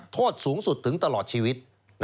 โทษสูงสุดถึงตลอดชีวิต